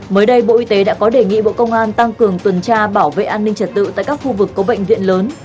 mới đây bộ y tế đã có đề nghị bộ công an tăng cường tuần tra bảo vệ an ninh trật tự tại các khu vực có bệnh viện lớn